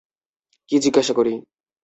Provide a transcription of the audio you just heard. কী জিজ্ঞাসা করি?